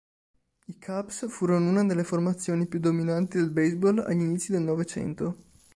I Cubs furono una delle formazioni più dominanti del baseball agli inizi del novecento.